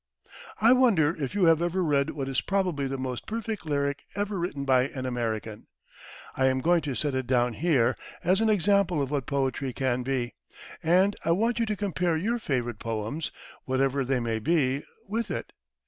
I wonder if you have ever read what is probably the most perfect lyric ever written by an American? I am going to set it down here as an example of what poetry can be, and I want you to compare your favorite poems, whatever they may be, with it.